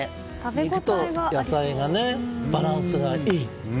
肉と野菜のバランスがいい。